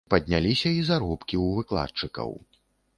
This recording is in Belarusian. Падняліся і заробкі ў выкладчыкаў.